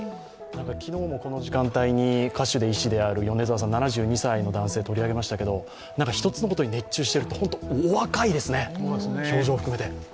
昨日もこの時間帯に、歌手で医師である７２歳の男性を取り上げましたが、１つのことに熱中しているとお若いですね、表情含めて。